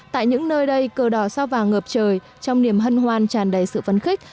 tại những nơi đây cờ đỏ sao vàng ngợp trời trong niềm hân hoan tràn đầy sự phân khích